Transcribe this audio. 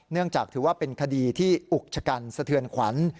เนื่องจากถือว่าเป็นคดีที่อุกชะกันสะเทือนขวัญ